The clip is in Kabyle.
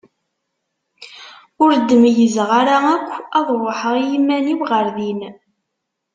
Ur d-meyyzeɣ ara yakk ad ruḥeɣ i iman-iw ɣer din.